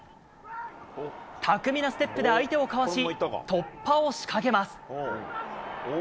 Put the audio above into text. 巧みなステップで相手をかわし、突破を仕掛けます。